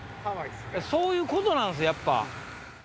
そういうことなんすよやっぱ。